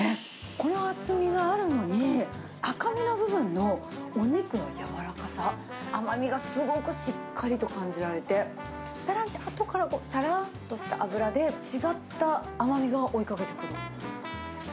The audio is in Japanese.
この厚みがあるのに、赤身の部分のお肉の柔らかさ、甘みがすごくしっかりと感じられて、さらにあとから、さらーっとした脂で、違った甘みが追いかけてくる。